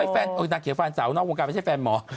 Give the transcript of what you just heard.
ฟันอุ๊ยนางเขียวฟาวน์สาวนอกวงการไม่ใช่แฟนหมอ